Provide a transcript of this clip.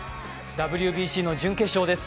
ＷＢＣの準決勝です。